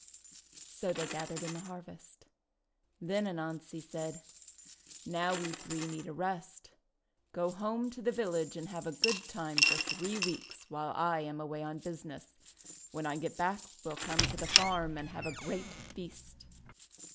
So they gathered in the harvest. Then Anansi said: "Now we three need a rest. Go home to the village and have a good time for three weeks, while I am away on business. When I get back we'll come to the farm and have a great feast."